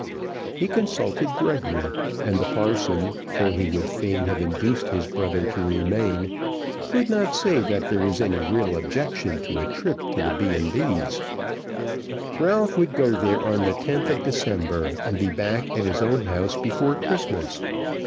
He consulted Gregory; and the parson, though he would fain have induced his brother to remain, could not say that there was any real objection to a trip to the B. and B's. Ralph would go there on the 10th of December, and be back at his own house before Christmas.